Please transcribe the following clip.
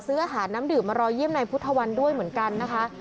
ซื้ออาหารน้ำดื่มมารอเยี่ยมนายพุทธวันด้วยเหมือนกันนะคะ